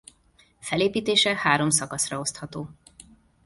Felépítése három szakaszra osztható.